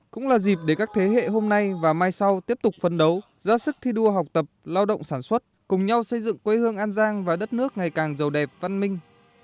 cũng là dịp để các thế hệ hôm nay và mai sau tiếp tục phấn đấu ra sức thi đua học tập lao động sản xuất cùng nhau xây dựng quê hương an giang và đất nước ngày càng giàu đẹp văn minh